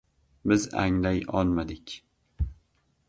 Biz anglay olmadik...